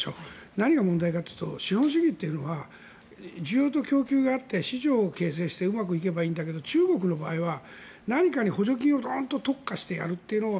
何が問題かというと資本主義というのは需要と供給があって市場を形成してうまくいけばいいけど中国の場合は何かに補助金をどんと特化してやるという。